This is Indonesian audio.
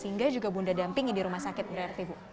sehingga juga bunda dampingi di rumah sakit berarti bu